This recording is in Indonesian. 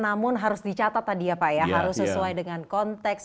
namun harus dicatat tadi ya pak ya harus sesuai dengan konteks